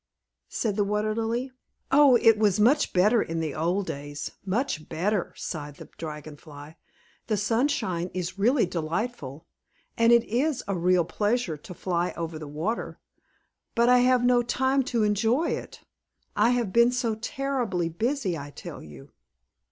said the Water Lily. "Oh, it was better in the old days much better," sighed the Dragon Fly. "The sunshine is really delightful, and it is a real pleasure to fly over the water; but I have no time to enjoy it. I have been so terribly busy, I tell you.